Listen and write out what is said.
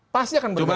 pasti akan bergerak